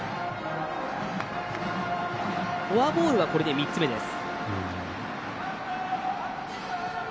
フォアボールはこれで３つ目です。